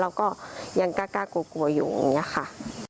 เราก็ยังกล้ากลัวอยู่อย่างนี้ค่ะ